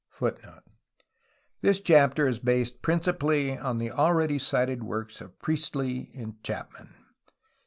*' This chapter is based principally on the already cited works of Priestley and Chapman.